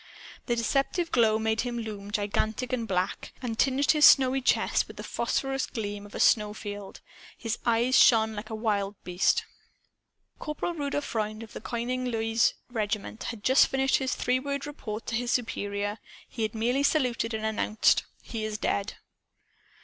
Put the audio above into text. The deceptive glow made him loom gigantic and black, and tinged his snowy chest with the phosphorous gleam of a snowfield. His eyes shone like a wild beast's. Corporal Rudolph Freund, of the Konigin Luise Regiment, had just finished his three word report to his superior. He had merely saluted and announced "He is dead!"